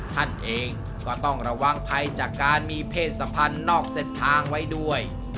ท่านเองก็ต้องระวังภัยจากการมีเพศสัมพันธ์นอกเส้นทางไว้ด้วย